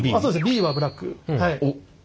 Ｂは「ブラック」はい。